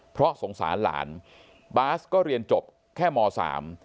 เพราะสงสารหลานบาสก็เรียนจบแค่มสาม